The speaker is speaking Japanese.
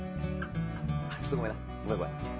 ちょっとごめんなごめんごめん。